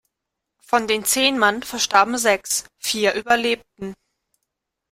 Von den zehn Mann verstarben sechs, vier überlebten.